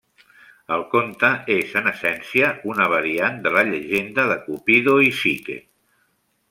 El conte és, en essència, una variant de la llegenda de Cupido i Psique.